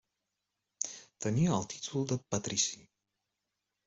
Tenia el títol de patrici.